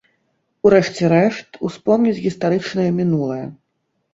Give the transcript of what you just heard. У рэшце рэшт, успомніць гістарычнае мінулае.